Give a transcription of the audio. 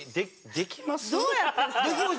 できます。